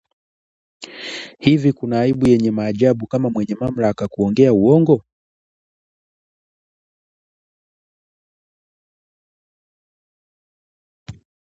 Hivi kuna aibu yenye maajabu kama mwenye mamlaka kuongea uongo?